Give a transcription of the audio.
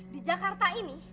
di jakarta ini